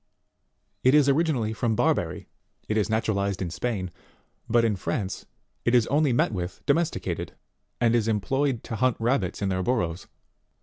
It is origin ally from Barbary ; it is naturalized in Spain, but in France it is only met with domesticated, and is employed to hunt rabbits in their burrows.